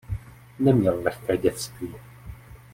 Neměl lehké dětství.